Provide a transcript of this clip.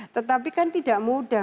tetapi kan tidak mudah